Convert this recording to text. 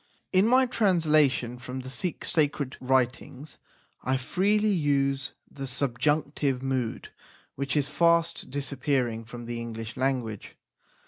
In my translation from the Sikh sacred writings I freely use the subjunctive mood which is fast disappearing from the English language.